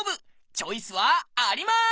チョイスはあります！